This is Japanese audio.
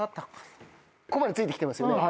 ここまでついて来てますよね。